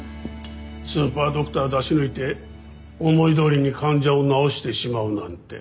スーパードクター出し抜いて思いどおりに患者を治してしまうなんて。